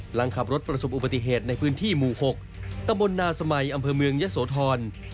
หลังขับรถประสบอุบัติเหตุในพื้นที่หมู่๖ตำบลนาสมัยอำเภอเมืองยะโสธร